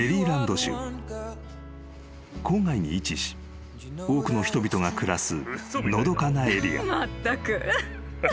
［郊外に位置し多くの人々が暮らすのどかなエリア］